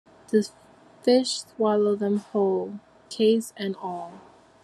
The fish swallow them whole, case and all.